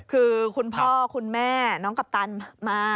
คือคุณพ่อคุณแม่น้องกัปตันมา